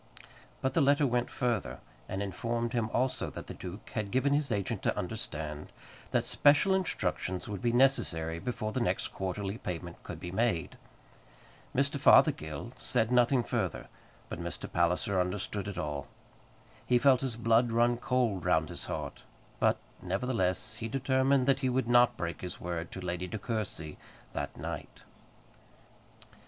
But the letter went further, and informed him also that the duke had given his agent to understand that special instructions would be necessary before the next quarterly payment could be made. Mr. Fothergill said nothing further, but Mr. Palliser understood it all. He felt his blood run cold round his heart; but, nevertheless, he determined that he would not break his word to Lady De Courcy that night.